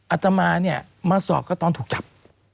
อัตมาเนี่ยมาสอบก็ตอนถูกจับ